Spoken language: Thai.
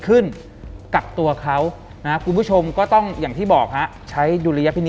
หลังจากนั้นเราไม่ได้คุยกันนะคะเดินเข้าบ้านอืม